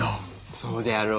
そうであろう？